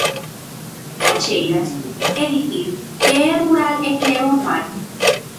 ¿Cacheiras? É dicir, ¿que é rural e que é urbano?